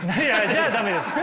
じゃあダメです。